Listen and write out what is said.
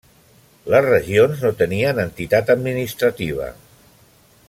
Les regions no tenien entitat administrativa.